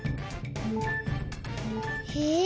え？